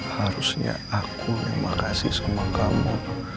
harusnya aku yang makasih sama kamu